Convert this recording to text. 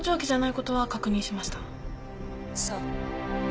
☎そう。